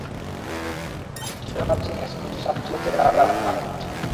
শিশু কর্নার পাশে রেখে হাসিখুশি, শাপলাশালুক ছেড়ে তারা দাঁড়ান আদর্শ লিপির সামনে।